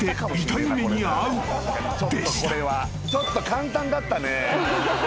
ちょっと簡単だったね。